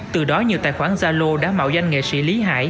từ đó nhiều tài khoản zalo đã mạo danh nghệ sĩ lý hải